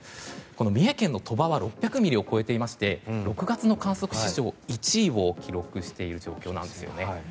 三重県の鳥羽は６００ミリを超えていまして６月の観測史上１位を記録している状況なんですね。